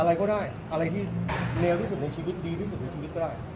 อะไรก็ได้อะไรที่เลวที่สุดในชีวิตดีที่สุดในชีวิตก็ได้